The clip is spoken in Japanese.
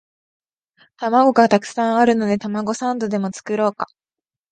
玉子がたくさんあるのでたまごサンドでも作ろうか